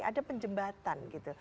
ada penjembatan gitu